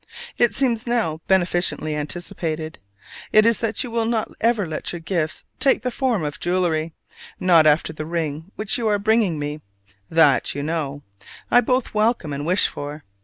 It seems now beneficently anticipated. It is that you will not ever let your gifts take the form of jewelry, not after the ring which you are bringing me: that, you know, I both welcome and wish for.